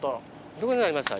どこで鳴りました？